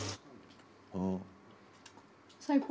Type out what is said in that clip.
最高。